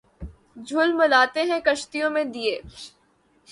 جھلملاتے ہیں کشتیوں میں دیے